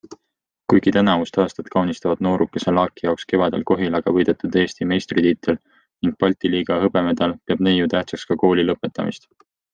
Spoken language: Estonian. Kuigi tänavust aastat kaunistavad noorukese Laaki jaoks kevadel Kohilaga võidetud Eesti meistritiitel ning Balti liiga hõbemedal, peab neiu tähtsaks ka kooli lõpetamist.